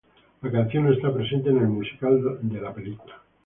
La canción no está presente en el musical de la película.